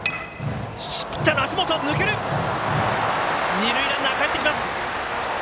二塁ランナー、かえってきます。